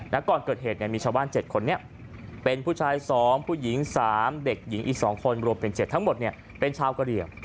แล้วก่อนเกิดเหตุมีชาวบ้าน๗คนนี้เป็นผู้ชาย๒ผู้หญิง๓เด็กหญิงอีก๒คนรวมเป็น๗ทั้งหมดเป็นชาวกะเหลี่ยง